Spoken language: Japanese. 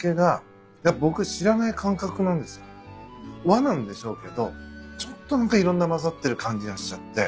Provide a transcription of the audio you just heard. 和なんでしょうけどちょっと何かいろんな混ざってる感じがしちゃって。